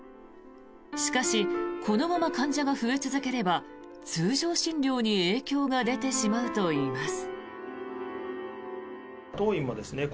しかしこのまま患者が増え続ければ通常診療に影響が出てしまうといいます。